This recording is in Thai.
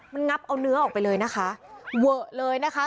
มันงับเอาเนื้อออกไปเลยนะคะ